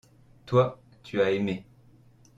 toi, tu as aimé.